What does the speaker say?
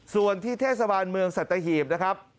ส่วนที่เทศบาลเมืองสัตหีบนะครับ